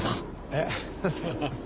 えっ？